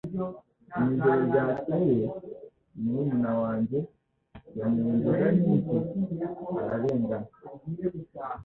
Mu ijoro ryakeye murumuna wanjye yanyoye inzoga nyinshi ararengana